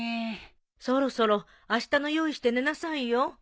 そろそろあしたの用意して寝なさいよ。